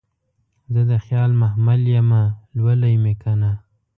زه دخیال محمل یمه لولی مې کنه